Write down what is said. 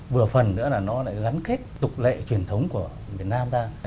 vừa phần nữa là nó lại gắn kết tục lệ truyền thống của việt nam ra